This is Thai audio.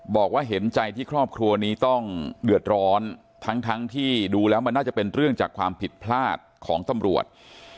บอกว่าเห็นใจที่ครอบครัวนี้ต้องเดือดร้อนทั้งที่ดูแล้วมันน่าจะเป็นเรื่องจากความผิดพลาดของตำรวจ